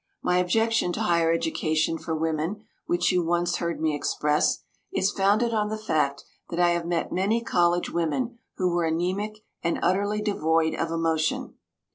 My objection to higher education for women, which you once heard me express, is founded on the fact that I have met many college women who were anaemic and utterly devoid of emotion.